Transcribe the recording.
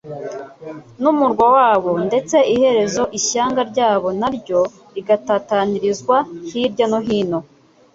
n’umurwa wabo, ndetse iherezo ishyanga ryabo na ryo rigatatanirizwa hirya no hino.